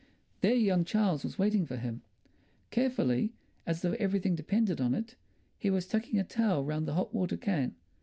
There young Charles was waiting for him. Carefully, as though everything depended on it, he was tucking a towel round the hot water can.